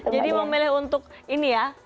jadi memilih untuk ini ya